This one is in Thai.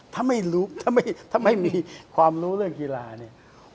ถ้าไม่รู้ถ้าไม่มีความรู้เรื่องกีฬาเนี่ย